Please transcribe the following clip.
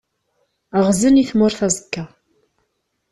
Ɣzen i tmurt aẓekka.